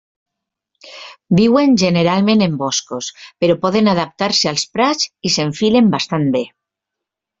Viuen generalment en boscos, però poden adaptar-se als prats, i s'enfilen bastant bé.